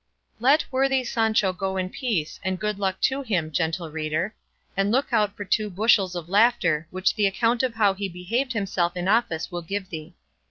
Let worthy Sancho go in peace, and good luck to him, Gentle Reader; and look out for two bushels of laughter, which the account of how he behaved himself in office will give thee.